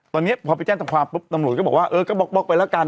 ตอนนี้พอไปแจ้งความปุ๊บตำรวจก็บอกว่าเออก็บล็อกไปแล้วกัน